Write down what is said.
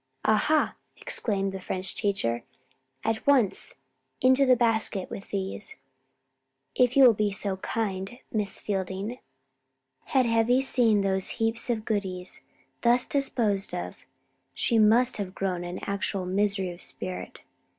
"Ah ha!" exclaimed the French teacher. "At once! into the basket with these, if you will be so kind, Miss Fielding." Had Heavy seen those heaps of goodies thus disposed of she must have groaned in actual misery of spirit!